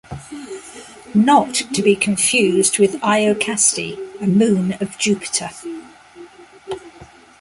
Not to be confused with Iocaste, a moon of Jupiter.